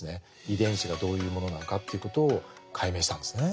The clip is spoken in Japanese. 遺伝子がどういうものなのかということを解明したんですね。